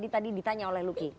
tadi ditanya oleh lucky